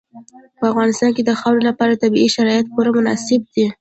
په افغانستان کې د خاورې لپاره طبیعي شرایط پوره مناسب دي.